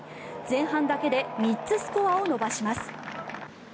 前半だけで３つスコアを伸ばします。